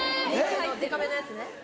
・デカめのやつね